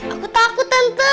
aku takut tante